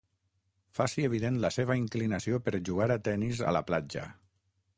Faci evident la seva inclinació per jugar a tennis a la platja.